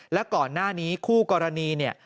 แล้วก่อนหน้านี้คู่กรณีเนี่ย